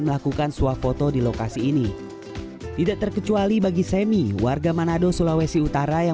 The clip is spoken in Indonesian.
melakukan suah foto di lokasi ini tidak terkecuali bagi semi warga manado sulawesi utara yang